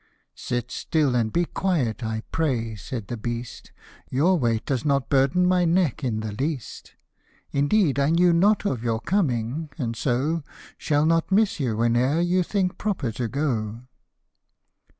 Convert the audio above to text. *" Sit still and be quiet, I pray," said the beast, " Your weight does not burden my neck in the least ; Indeed I knew not of your coming, and so Shall not miss you whene'er you think proper to go."